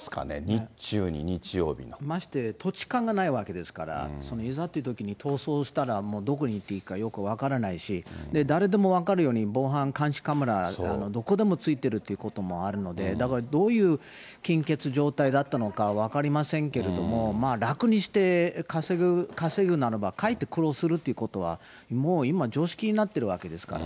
日中に、まして、土地勘がないわけですから、いざっていうときに、逃走したら、もうどこに行っていいかよく分からないし、誰でも分かるように防犯、監視カメラ、どこでも付いてるということもあるので、だから、どういう金欠状態だったのか分かりませんけれども、まあ楽にして稼ぐならば、かえって苦労するということは、もう今、常識になってるわけですから。